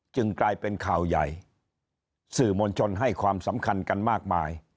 กลายเป็นข่าวใหญ่สื่อมวลชนให้ความสำคัญกันมากมาย